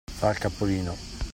Far capolino.